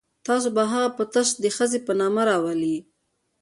تاسو به هغه په تش د ښځې په نامه راولئ.